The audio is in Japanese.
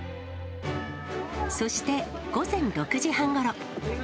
そして午前６時半ごろ。